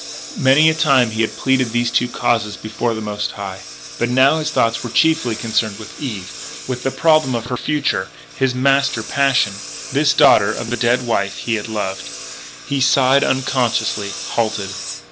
Many a time he had pleaded these two causes before the Most High. But now his thoughts were chiefly concerned with Eve with the problem of her future his master passion this daughter of the dead wife he had loved. He sighed unconsciously; halted.